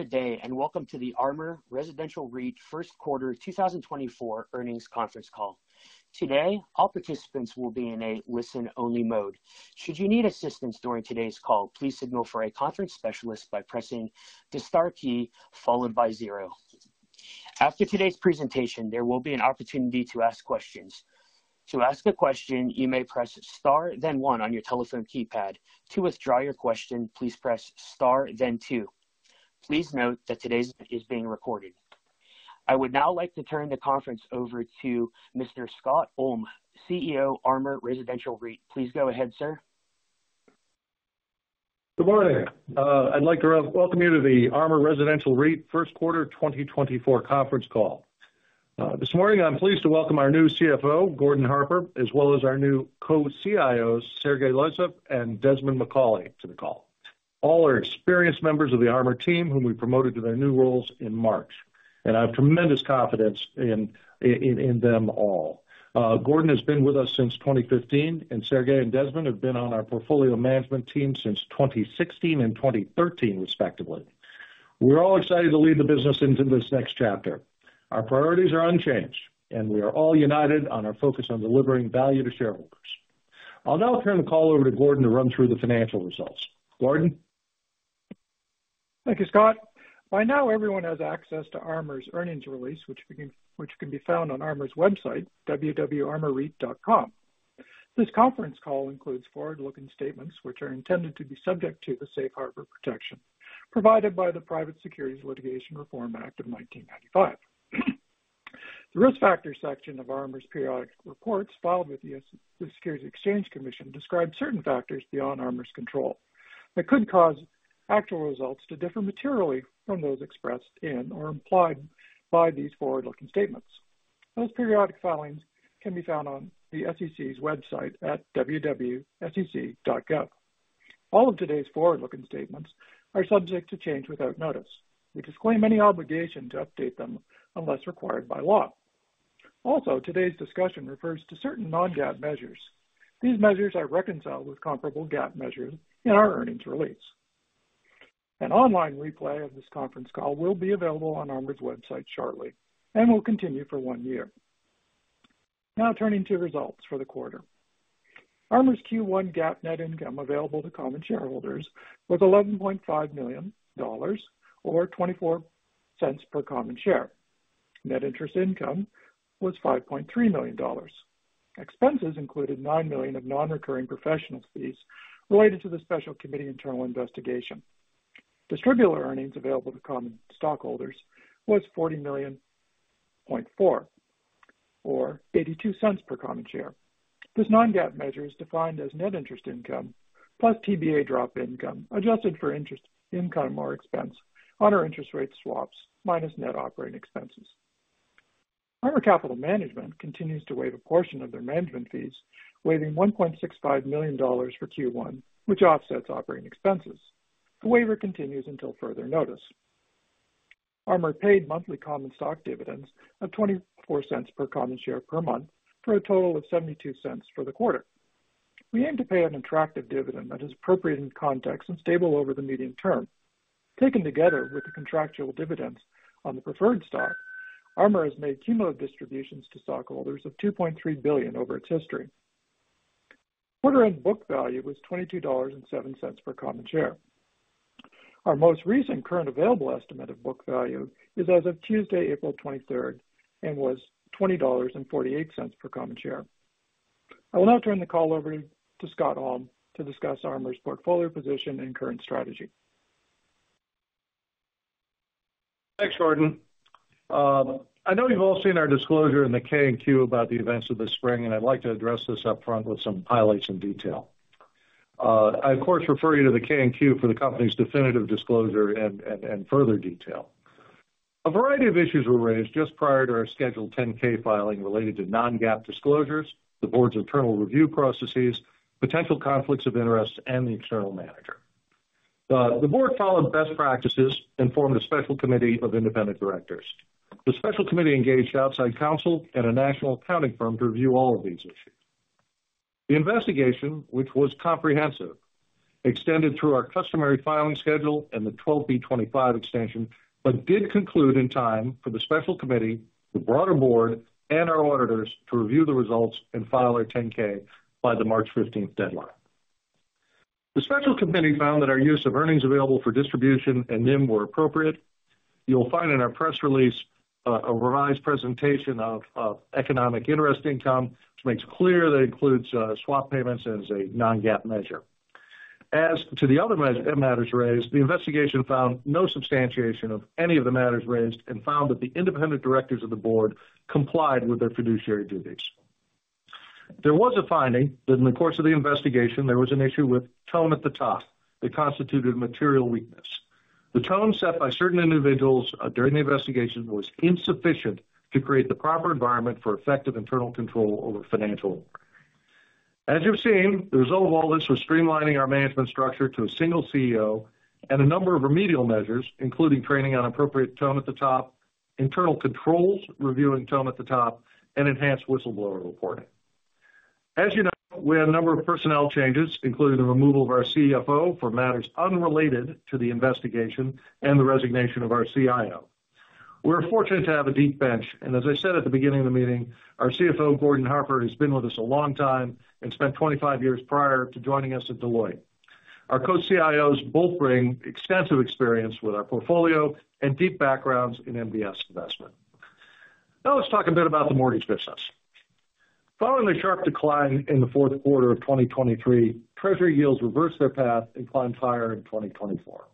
Good day, and welcome to the ARMOUR Residential REIT first quarter 2024 earnings conference call. Today, all participants will be in a listen-only mode. Should you need assistance during today's call, please signal for a conference specialist by pressing the star key followed by zero. After today's presentation, there will be an opportunity to ask questions. To ask a question, you may press star, then one on your telephone keypad. To withdraw your question, please press star, then two. Please note that today's call is being recorded. I would now like to turn the conference over to Mr. Scott Ulm, CEO, ARMOUR Residential REIT. Please go ahead, sir. Good morning. I'd like to welcome you to the ARMOUR Residential REIT first quarter 2024 conference call. This morning, I'm pleased to welcome our new CFO, Gordon Harper, as well as our new co-CIOs, Sergey Losyev and Desmond Macaulay, to the call. All are experienced members of the ARMOUR team, whom we promoted to their new roles in March, and I have tremendous confidence in them all. Gordon has been with us since 2015, and Sergey and Desmond have been on our portfolio management team since 2016 and 2013, respectively. We're all excited to lead the business into this next chapter. Our priorities are unchanged, and we are all united on our focus on delivering value to shareholders. I'll now turn the call over to Gordon to run through the financial results. Gordon? Thank you, Scott. By now, everyone has access to ARMOUR's earnings release, which can be found on ARMOUR's website, www.armourreit.com. This conference call includes forward-looking statements, which are intended to be subject to the safe harbor protection provided by the Private Securities Litigation Reform Act of 1995. The Risk Factors section of ARMOUR's periodic reports, filed with the Securities and Exchange Commission, describe certain factors beyond ARMOUR's control that could cause actual results to differ materially from those expressed in or implied by these forward-looking statements. Those periodic filings can be found on the SEC's website at www.sec.gov. All of today's forward-looking statements are subject to change without notice. We disclaim any obligation to update them unless required by law. Also, today's discussion refers to certain non-GAAP measures. These measures are reconciled with comparable GAAP measures in our earnings release. An online replay of this conference call will be available on ARMOUR's website shortly and will continue for one year. Now, turning to results for the quarter. ARMOUR's Q1 GAAP net income available to common shareholders was $11.5 million, or 24 cents per common share. Net interest income was $5.3 million. Expenses included $9 million of non-recurring professional fees related to the special committee internal investigation. Distributable earnings available to common stockholders was $40.4 million, or 82 cents per common share. This non-GAAP measure is defined as net interest income plus TBA drop income, adjusted for interest, income, or expense on our interest rate swaps minus net operating expenses. ARMOUR Capital Management continues to waive a portion of their management fees, waiving $1.65 million for Q1, which offsets operating expenses. The waiver continues until further notice. ARMOUR paid monthly common stock dividends of $0.24 per common share per month, for a total of $0.72 for the quarter. We aim to pay an attractive dividend that is appropriate in context and stable over the medium term. Taken together with the contractual dividends on the preferred stock, ARMOUR has made cumulative distributions to stockholders of $2.3 billion over its history. Quarter-end book value was $22.07 per common share. Our most recent current available estimate of book value is as of Tuesday, April 23, and was $20.48 per common share. I will now turn the call over to Scott Ulm to discuss ARMOUR's portfolio position and current strategy. Thanks, Gordon. I know you've all seen our disclosure in the K&Q about the events of this spring, and I'd like to address this upfront with some highlights and detail. I, of course, refer you to the K&Q for the company's definitive disclosure and further detail. A variety of issues were raised just prior to our Schedule 10-K filing related to non-GAAP disclosures, the board's internal review processes, potential conflicts of interest, and the external manager. The board followed best practices and formed a special committee of independent directors. The special committee engaged outside counsel and a national accounting firm to review all of these issues. The investigation, which was comprehensive, extended through our customary filing schedule and the 12b-25 extension, but did conclude in time for the special committee, the broader board, and our auditors to review the results and file our 10-K by the March fifteenth deadline. The special committee found that our use of earnings available for distribution and NIM were appropriate. You'll find in our press release a revised presentation of economic interest income, which makes clear that includes swap payments as a non-GAAP measure. As to the other matters raised, the investigation found no substantiation of any of the matters raised and found that the independent directors of the board complied with their fiduciary duties. There was a finding that in the course of the investigation, there was an issue with Tone at the Top that constituted Material Weakness. The tone set by certain individuals during the investigation was insufficient to create the proper environment for effective internal control over financial reporting. As you've seen, the result of all this was streamlining our management structure to a single CEO and a number of remedial measures, including training on appropriate tone at the top, internal controls, reviewing tone at the top, and enhanced whistleblower reporting. As you know, we had a number of personnel changes, including the removal of our CFO for matters unrelated to the investigation and the resignation of our CIO. We're fortunate to have a deep bench, and as I said at the beginning of the meeting, our CFO, Gordon Harper, has been with us a long time and spent 25 years prior to joining us at Deloitte. Our co-CIOs both bring extensive experience with our portfolio and deep backgrounds in MBS investment. Now let's talk a bit about the mortgage business. Following the sharp decline in the fourth quarter of 2023, treasury yields reversed their path and climbed higher in 2024.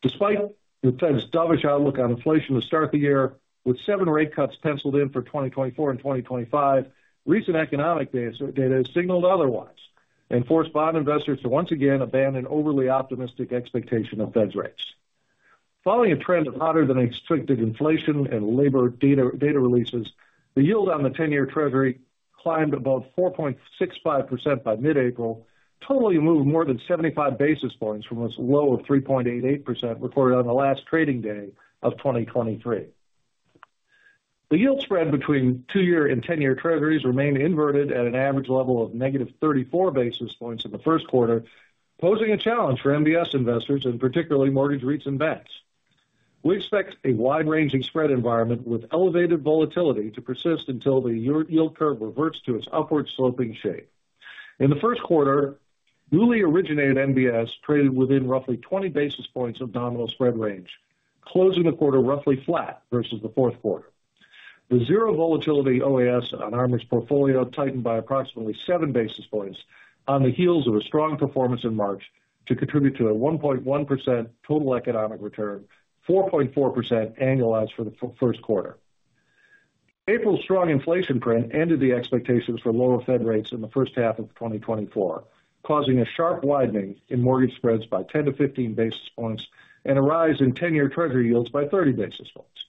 Despite the Fed's dovish outlook on inflation to start the year with seven rate cuts penciled in for 2024 and 2025, recent economic data has signaled otherwise and forced bond investors to once again abandon overly optimistic expectation of Fed's rates. Following a trend of hotter than expected inflation and labor data releases, the yield on the 10-year treasury climbed above 4.65% by mid-April, totally moved more than 75 basis points from its low of 3.88%, recorded on the last trading day of 2023. The yield spread between two-year and ten-year treasuries remained inverted at an average level of negative 34 basis points in the first quarter, posing a challenge for MBS investors and particularly mortgage REITs and banks. We expect a wide-ranging spread environment with elevated volatility to persist until the yield curve reverts to its upward sloping shape. In the first quarter, newly originated MBS traded within roughly 20 basis points of nominal spread range, closing the quarter roughly flat versus the fourth quarter. The zero volatility OAS on ARMOUR's portfolio tightened by approximately 7 basis points on the heels of a strong performance in March to contribute to a 1.1% total economic return, 4.4% annualized for the first quarter. April's strong inflation print ended the expectations for lower Fed rates in the first half of 2024, causing a sharp widening in mortgage spreads by 10-15 basis points and a rise in 10-year Treasury yields by 30 basis points.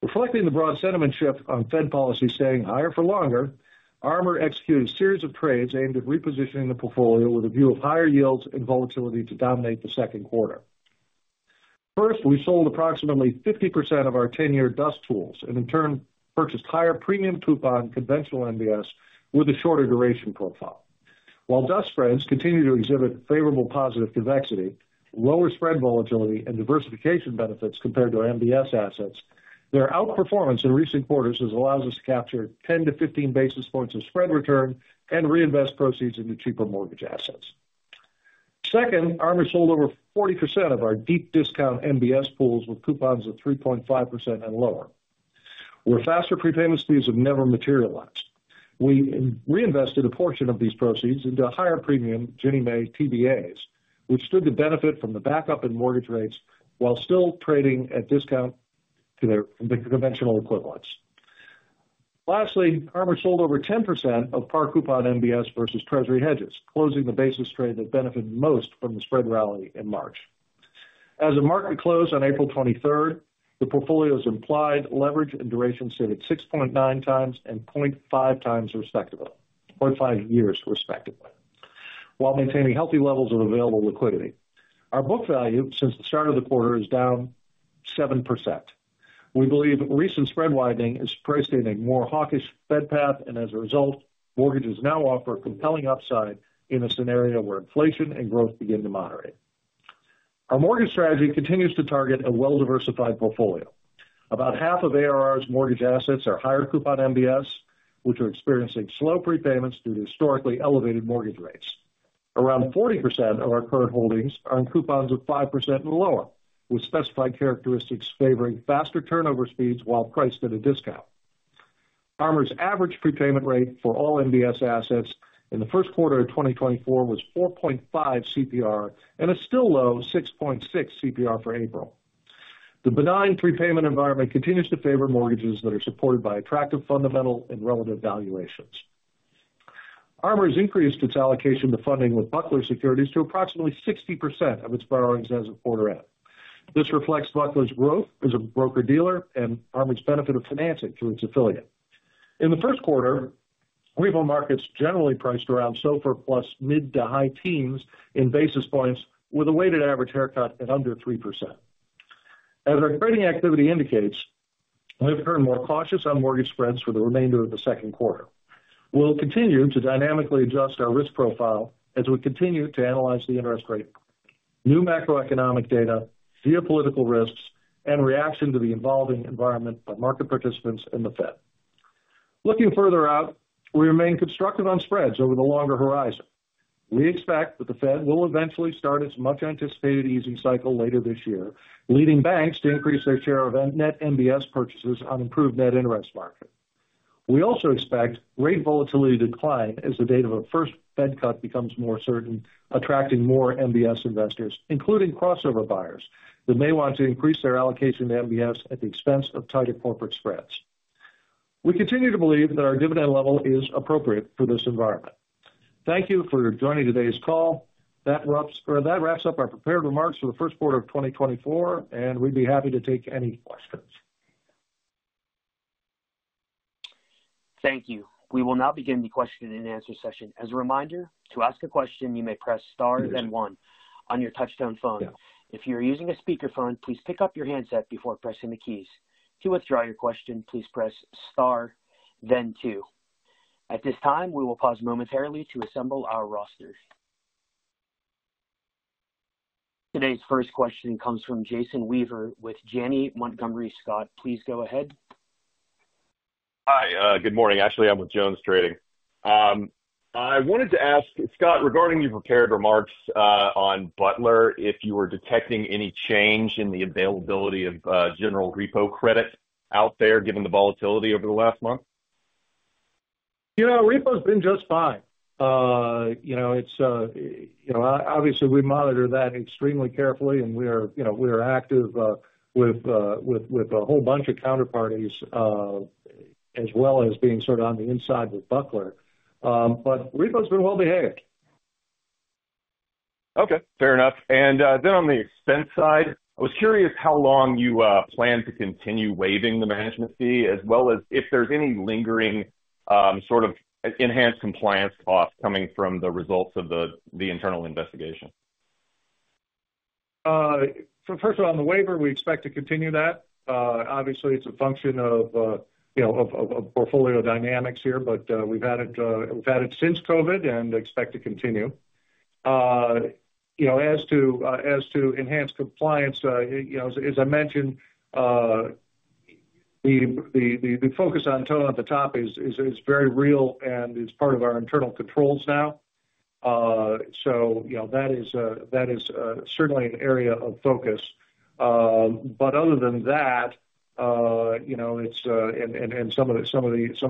Reflecting the broad sentiment shift on Fed policy staying higher for longer, ARMOUR executed a series of trades aimed at repositioning the portfolio with a view of higher yields and volatility to dominate the second quarter. First, we sold approximately 50% of our 10-year DUS pools and in turn purchased higher premium coupon conventional MBS with a shorter duration profile. While DUS spreads continue to exhibit favorable positive convexity, lower spread volatility, and diversification benefits compared to our MBS assets, their outperformance in recent quarters has allowed us to capture 10-15 basis points of spread return and reinvest proceeds into cheaper mortgage assets. Second, ARMOUR sold over 40% of our deep discount MBS pools with coupons of 3.5% and lower, where faster prepayment speeds have never materialized. We reinvested a portion of these proceeds into higher premium Ginnie Mae TBAs, which stood to benefit from the backup in mortgage rates while still trading at discount to their, the conventional equivalents. Lastly, ARMOUR sold over 10% of par coupon MBS versus treasury hedges, closing the basis trade that benefited most from the spread rally in March. As the market closed on April twenty-third, the portfolio's implied leverage and duration sit at 6.9 times and 0.5 times, respectively, 0.5 years, respectively, while maintaining healthy levels of available liquidity. Our book value since the start of the quarter is down 7%. We believe recent spread widening is priced in a more hawkish Fed path, and as a result, mortgages now offer a compelling upside in a scenario where inflation and growth begin to moderate. Our mortgage strategy continues to target a well-diversified portfolio. About half of ARR's mortgage assets are higher coupon MBS, which are experiencing slow prepayments due to historically elevated mortgage rates. Around 40% of our current holdings are in coupons of 5% and lower, with specified characteristics favoring faster turnover speeds while priced at a discount. ARMOUR's average prepayment rate for all MBS assets in the first quarter of 2024 was 4.5 CPR and a still low 6.6 CPR for April. The benign prepayment environment continues to favor mortgages that are supported by attractive, fundamental, and relevant valuations. ARMOUR has increased its allocation to funding with Buckler Securities to approximately 60% of its borrowings as of quarter-end. This reflects Buckler's growth as a broker-dealer and ARMOUR's benefit of financing through its affiliate. In the first quarter, repo markets generally priced around SOFR plus mid- to high-teens in basis points with a weighted average haircut at under 3%. As our trading activity indicates, we've turned more cautious on mortgage spreads for the remainder of the second quarter. We'll continue to dynamically adjust our risk profile as we continue to analyze the interest rate, new macroeconomic data, geopolitical risks, and reaction to the evolving environment by market participants and the Fed. Looking further out, we remain constructive on spreads over the longer horizon. We expect that the Fed will eventually start its much-anticipated easing cycle later this year, leading banks to increase their share of net MBS purchases on improved net interest margin. We also expect rate volatility to decline as the date of a first Fed cut becomes more certain, attracting more MBS investors, including crossover buyers, that may want to increase their allocation to MBS at the expense of tighter corporate spreads. We continue to believe that our dividend level is appropriate for this environment. Thank you for joining today's call. That wraps, or that wraps up our prepared remarks for the first quarter of 2024, and we'd be happy to take any questions. Thank you. We will now begin the question-and-answer session. As a reminder, to ask a question, you may press star then one on your touchtone phone. If you're using a speakerphone, please pick up your handset before pressing the keys. To withdraw your question, please press star, then two. At this time, we will pause momentarily to assemble our rosters. Today's first question comes from Jason Weaver with JonesTrading. Please go ahead. Hi, good morning. Actually, I'm with JonesTrading. I wanted to ask Scott, regarding your prepared remarks, on Buckler, if you were detecting any change in the availability of general repo credit out there, given the volatility over the last month? You know, repo's been just fine. You know, it's, you know, obviously, we monitor that extremely carefully, and we are, you know, active with a whole bunch of counterparties, as well as being sort of on the inside with Buckler. But repo's been well-behaved. Okay, fair enough. And then on the expense side, I was curious how long you plan to continue waiving the management fee, as well as if there's any lingering sort of enhanced compliance costs coming from the results of the internal investigation. So first of all, on the waiver, we expect to continue that. Obviously, it's a function of, you know, of portfolio dynamics here, but we've had it since COVID and expect to continue. You know, as to enhanced compliance, you know, as I mentioned, the focus on tone at the top is very real and is part of our internal controls now. So, you know, that is certainly an area of focus. But other than that, you know, it's and some of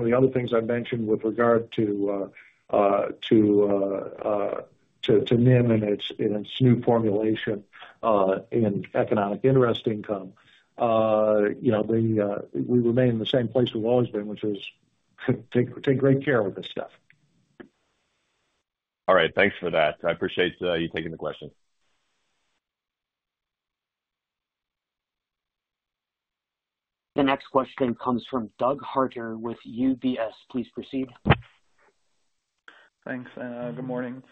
the other things I mentioned with regard to to NIM and its new formulation in economic interest income, you know, the we remain in the same place we've always been, which is take great care with this stuff. All right. Thanks for that. I appreciate you taking the question. The next question comes from Doug Harter with UBS. Please proceed. Thanks, good morning.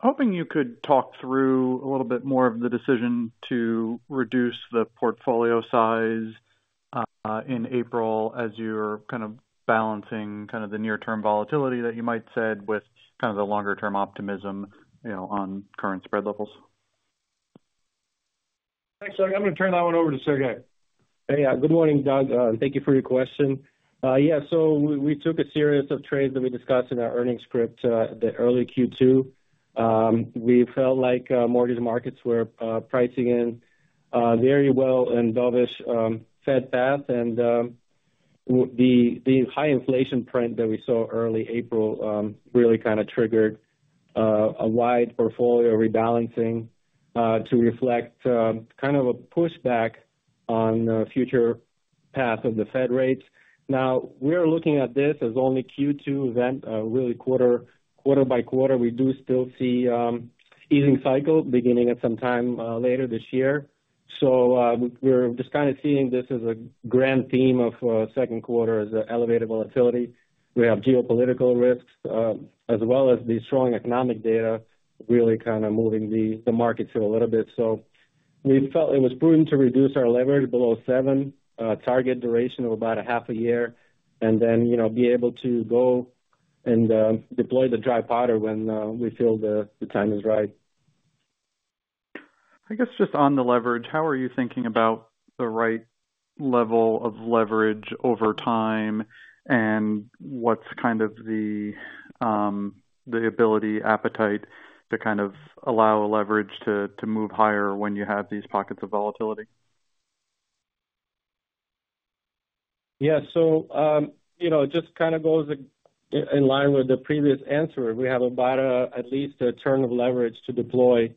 Hoping you could talk through a little bit more of the decision to reduce the portfolio size, in April, as you're kind of balancing kind of the near-term volatility that you might said with kind of the longer-term optimism, you know, on current spread levels. Thanks, Doug. I'm gonna turn that one over to Sergey. Hey, yeah. Good morning, Doug. Thank you for your question. Yeah, so we took a series of trades that we discussed in our earnings script, the early Q2. We felt like mortgage markets were pricing in very well in dovish Fed path. And the high inflation print that we saw early April really kind of triggered a wide portfolio rebalancing to reflect kind of a pushback on the future path of the Fed rates. Now, we are looking at this as only Q2 event, really quarter by quarter. We do still see easing cycle beginning at some time later this year. So, we're just kind of seeing this as a grand theme of second quarter as elevated volatility. We have geopolitical risks, as well as the strong economic data really kind of moving the markets here a little bit. So we felt it was prudent to reduce our leverage below seven, target duration of about a half a year, and then, you know, be able to go and deploy the dry powder when we feel the time is right. I guess, just on the leverage, how are you thinking about the right level of leverage over time? And what's kind of the ability, appetite to kind of allow leverage to move higher when you have these pockets of volatility? Yeah. So, you know, it just kind of goes in line with the previous answer. We have about, at least a turn of leverage to deploy,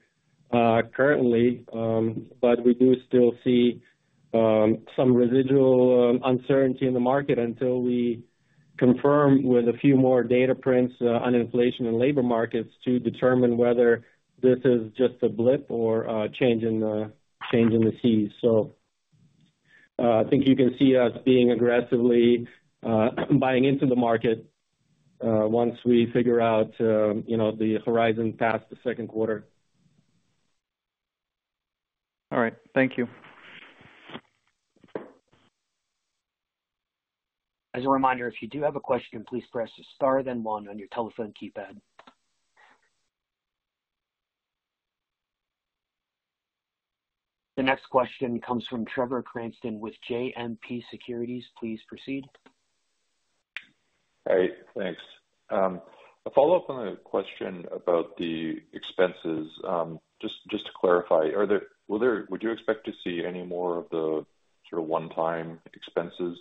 currently. But we do still see some residual uncertainty in the market until we confirm with a few more data prints on inflation and labor markets to determine whether this is just a blip or a change in the, change in the seas. So, I think you can see us being aggressively buying into the market once we figure out, you know, the horizon past the second quarter. All right. Thank you. As a reminder, if you do have a question, please press star then one on your telephone keypad. The next question comes from Trevor Cranston with JMP Securities. Please proceed. Hey, thanks. A follow-up on a question about the expenses. Just, just to clarify, are there, were there, would you expect to see any more of the sort of one-time expenses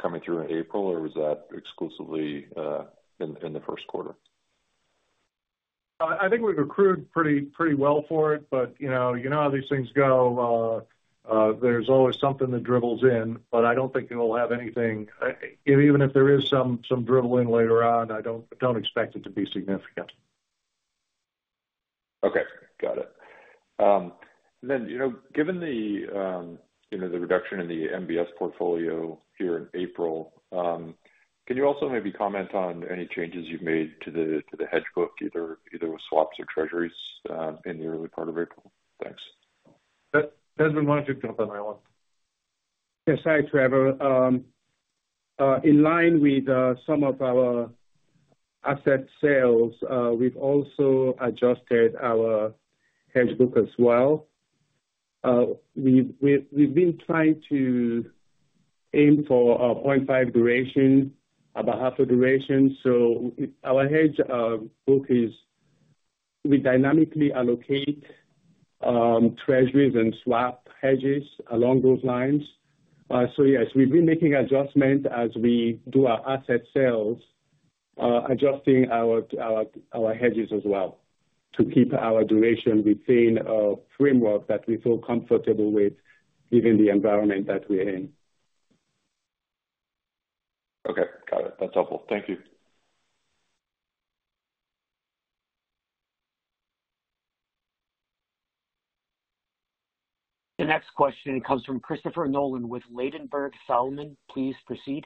coming through in April, or was that exclusively in the first quarter? I think we've accrued pretty well for it, but, you know, you know how these things go. There's always something that dribbles in, but I don't think it will have anything... Even if there is some dribbling later on, I don't expect it to be significant. Okay, got it. Then, you know, given the, you know, the reduction in the MBS portfolio here in April, can you also maybe comment on any changes you've made to the hedge book, either with swaps or treasuries, in the early part of April?... Desmond, why don't you jump on that one? Yes. Hi, Trevor. In line with some of our asset sales, we've also adjusted our hedge book as well. We've been trying to aim for 0.5 duration, about half the duration. So our hedge book is we dynamically allocate treasuries and swap hedges along those lines. So yes, we've been making adjustments as we do our asset sales, adjusting our hedges as well, to keep our duration within a framework that we feel comfortable with, given the environment that we're in. Okay, got it. That's helpful. Thank you. The next question comes from Christopher Nolan with Ladenburg Thalmann. Please proceed.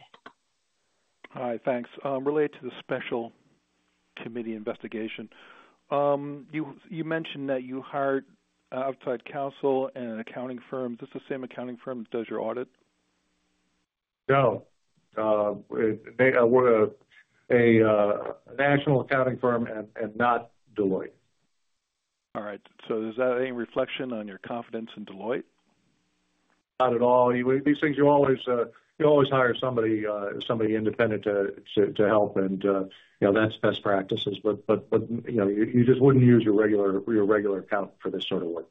Hi. Thanks. Related to the special committee investigation, you mentioned that you hired outside counsel and an accounting firm. Is this the same accounting firm that does your audit? No. They were a national accounting firm and not Deloitte. All right. Is that any reflection on your confidence in Deloitte? Not at all. These things, you always hire somebody independent to help, and, you know, that's best practices. But, you know, you just wouldn't use your regular account for this sort of work.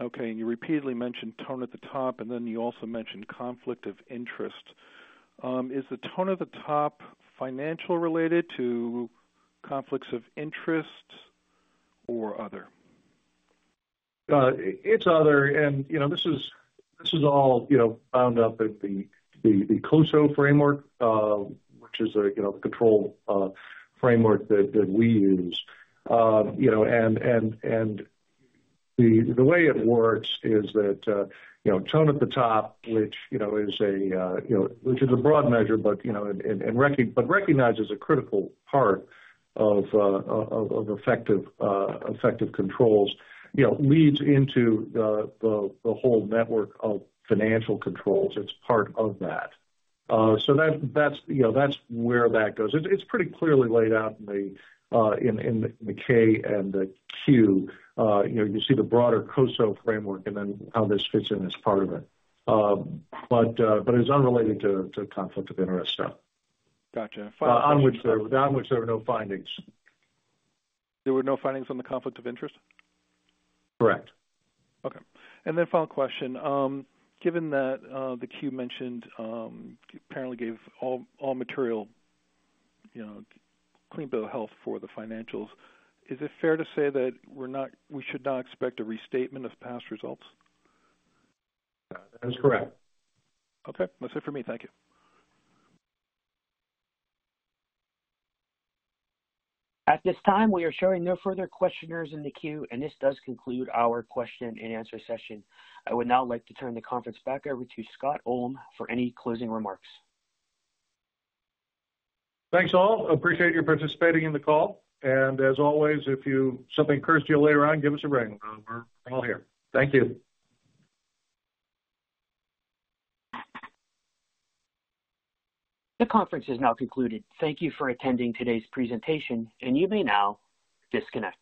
Okay. And you repeatedly mentioned Tone at the Top, and then you also mentioned conflict of interest. Is the Tone at the Top financial related to conflicts of interest or other? It's other. And, you know, this is, this is all, you know, bound up at the, the COSO framework, which is a, you know, control, framework that, that we use. You know, and, and, the way it works is that, you know, Tone at the Top, which, you know, is a, you know, which is a broad measure, but, you know, and, and but recognized as a critical part of, of, effective, effective controls, you know, leads into the, the, whole network of financial controls. It's part of that. So that's, you know, that's where that goes. It's pretty clearly laid out in the, in, the K and the Q. You know, you see the broader COSO framework and then how this fits in as part of it. But it's unrelated to conflict of interest, though. Gotcha. On which there were no findings. There were no findings on the conflict of interest? Correct. Okay. And then final question: Given that the Q mentioned apparently gave all material, you know, clean bill of health for the financials, is it fair to say that we're not—we should not expect a restatement of past results? That's correct. Okay, that's it for me. Thank you. At this time, we are showing no further questioners in the queue, and this does conclude our question-and-answer session. I would now like to turn the conference back over to Scott Ulm for any closing remarks. Thanks, all. Appreciate you participating in the call, and as always, if something occurs to you later on, give us a ring. We're all here. Thank you. The conference is now concluded. Thank you for attending today's presentation, and you may now disconnect.